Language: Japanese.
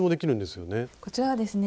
こちらはですね